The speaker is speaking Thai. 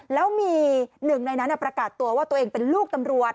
แล้วมีหนึ่งในนั้นประกาศตัวว่าตัวเองเป็นลูกตำรวจ